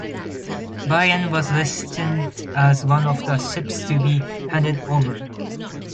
"Bayern" was listed as one of the ships to be handed over.